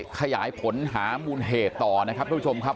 ขยายผลหามูลเหตุต่อนะครับทุกผู้ชมครับ